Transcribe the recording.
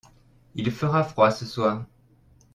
Il fera froid ce soir.